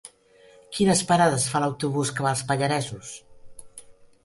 Quines parades fa l'autobús que va als Pallaresos?